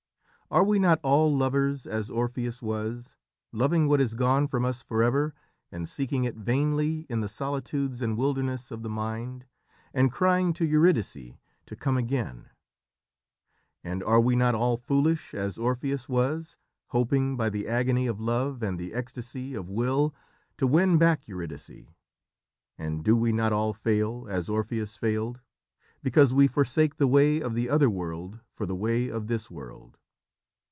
"Are we not all lovers as Orpheus was, loving what is gone from us forever, and seeking it vainly in the solitudes and wilderness of the mind, and crying to Eurydice to come again? And are we not all foolish as Orpheus was, hoping by the agony of love and the ecstasy of will to win back Eurydice; and do we not all fail, as Orpheus failed, because we forsake the way of the other world for the way of this world?"